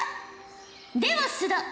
では須田。